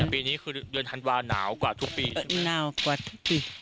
ปีนี้คือเดือนธันวาหนาวกว่าทุกปีหนาวกว่าทุกปี